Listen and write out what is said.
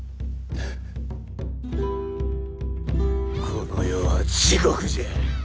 この世は地獄じゃ！